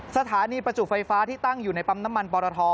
สถานีประจุไฟฟ้าที่ตั้งอยู่ในปั๊มน้ำมันปรท